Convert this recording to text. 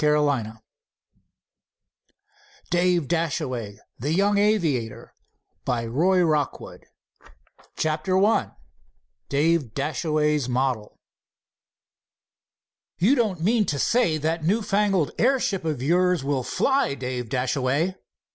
CONCLUSION 200 DAVE DASHAWAY THE YOUNG AVIATOR CHAPTER I DAVE DASHAWAY'S MODEL "You don't mean to say that new fangled air ship of yours will fly, Dave Dashaway?"